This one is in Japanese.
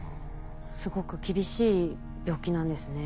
すごく厳しい病気なんですね。